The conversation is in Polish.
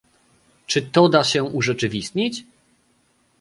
czy to da się urzeczywistnić?